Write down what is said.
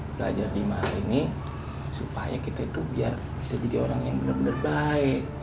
belajar di mari nih supaya kita itu biar bisa jadi orang yang bener bener baik